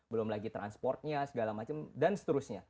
belum lagi transportnya segala macam dan seterusnya